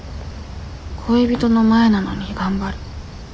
恋人の前なのに頑張る。